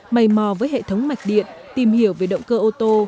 mầy mò với hệ thống mạch điện tìm hiểu về động cơ ô tô